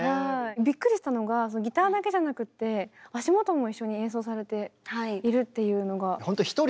びっくりしたのがギターだけじゃなくて足元も一緒に演奏されているっていうのが。